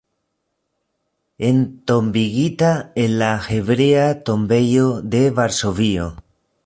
Entombigita en la Hebrea tombejo de Varsovio.